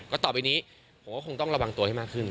ก็ต่อไปนี้ผมก็คงต้องระวังตัวให้มากขึ้น